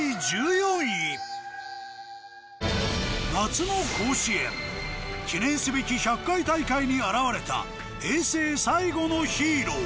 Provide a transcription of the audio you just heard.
夏の甲子園記念すべき１００回大会に現れた平成最後のヒーロー。